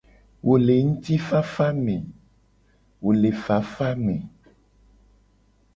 Wo le ngtifafa me.